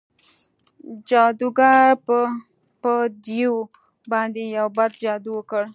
جادوګر په دیو باندې یو بد جادو وکړ.